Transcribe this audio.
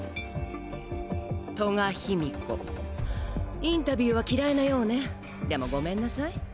トガヒミコインタビューは嫌いなようねでもごめんなさい。